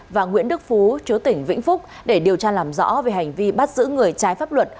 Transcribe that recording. và nguyễn đức phú chú tỉnh vĩnh phúc để điều tra làm rõ về hành vi bắt giữ người trái pháp luật